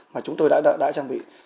mà chúng tôi đã trang bị